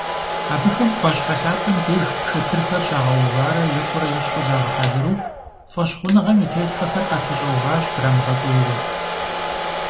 Абыхэм Ӏуащхьэ лъапэм деж шэтырхэр щагъэуварэ екӀурэ-ещхьу загъэхьэзыру, фӀэщхъуныгъэм и телъхьэхэр къапэщӀэуващ, драмыгъэкӀуейуэ.